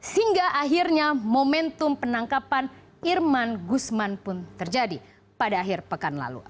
sehingga akhirnya momentum penangkapan irman gusman pun terjadi pada akhir pekan lalu